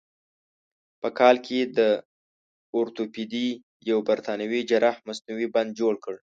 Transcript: په کال کې د اورتوپیدي یو برتانوي جراح مصنوعي بند جوړ کړ.